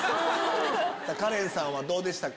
カレンさんはどうでしたか？